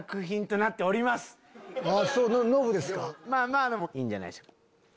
まぁいいんじゃないでしょうか。